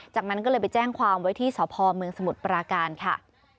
จากนั้นก็เลยไปแจ้งความไว้ที่สพเมืองสมุทรปราการค่ะ